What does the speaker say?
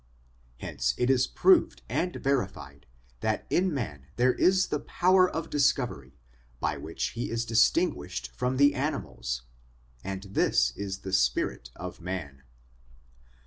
Hence it is proved and verified that in man there is a power of discovery by which he is distinguished from the animals, and this is the spirit of man.